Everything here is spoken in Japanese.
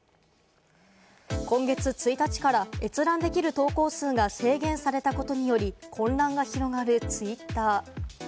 今月１日から閲覧できる投稿数が制限されたことにより、混乱が広がるツイッター。